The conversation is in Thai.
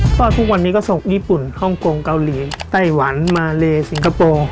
ก็ทุกวันนี้ก็ส่งญี่ปุ่นฮ่องกงเกาหลีไต้หวันมาเลสิงคโปร์